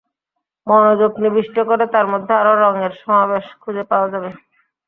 মনোযোগ নিবিষ্ট করে তার মধ্যে আরও রঙের সমাবেশ খুঁজে পাওয়া যাবে।